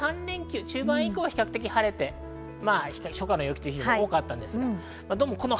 大体３連休の中盤以降は比較的晴れて初夏の陽気という日が多かったんです。